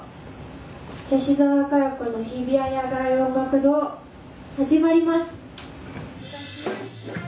『吉澤嘉代子の日比谷野外音楽堂』始まります！」。